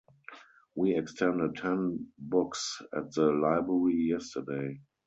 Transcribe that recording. We extended ten books at the library yesterday.